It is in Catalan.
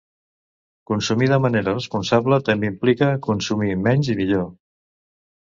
Consumir de manera responsable també implica consumir menys i millor.